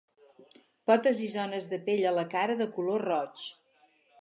Potes i zones de pell a la cara, de color roig.